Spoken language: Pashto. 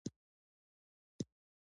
ګډ باور د نظم او همغږۍ زمینه برابروي.